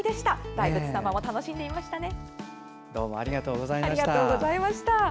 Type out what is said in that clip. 大仏様も楽しんでいましたね。